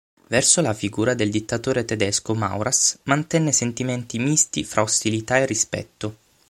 Verso la figura del dittatore tedesco Maurras mantenne sentimenti misti fra ostilità e rispetto.